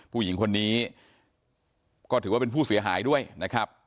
ผู้หญิงคนนี้ก็ถือว่าเป็นผู้เสียหายด้วยนะครับ